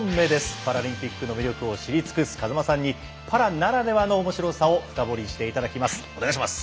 パラリンピックの魅力を知り尽くす風間さんにパラならではのおもしろさを深掘りしていただきます。